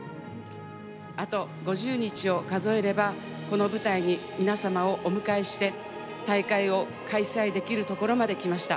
あと５０日を数えれば、この舞台に皆様をお迎えして、大会を開催できるところまで来ました。